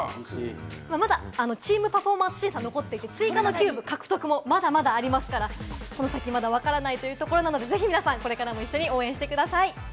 まだチーム・パフォーマンス審査が残っているので追加のキューブ獲得も、まだまだありますから、この先まだわからないというところなので、ぜひ皆さま、これから応援してください。